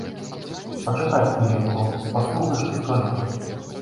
Пачакай хвілінку, паслухай, што скажу.